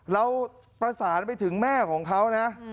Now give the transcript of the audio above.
เราประสานไปถึงแม่ของเขานะ